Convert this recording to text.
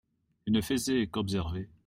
Il ne faisait qu’observer.